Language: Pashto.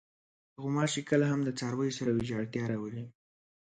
غوماشې کله هم د څارویو سره ویجاړتیا راولي.